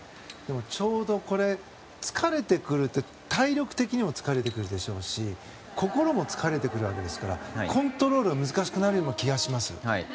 ちょうど疲れてくる体力的にも疲れてくるし心も疲れてくるわけですからコントロールが難しくなる気がします。